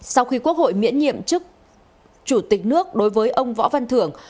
sau khi quốc hội miễn nhiệm chức chủ tịch nước đối với ông võ văn thưởng